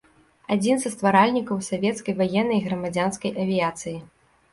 Адзін са стваральнікаў савецкай ваеннай і грамадзянскай авіяцыі.